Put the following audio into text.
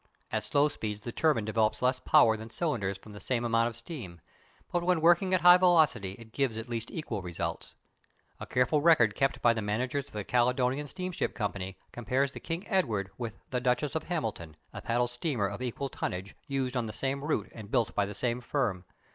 At low speeds the turbine develops less power than cylinders from the same amount of steam, but when working at high velocity it gives at least equal results. A careful record kept by the managers of the Caledonian Steamship Company compares the King Edward with the Duchess of Hamilton, a paddle steamer of equal tonnage used on the same route and built by the same firm.